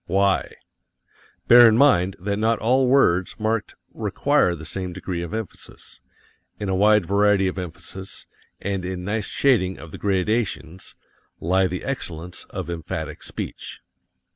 Why? Bear in mind that not all words marked require the same degree of emphasis in a wide variety of emphasis, and in nice shading of the gradations, lie the excellence of emphatic speech.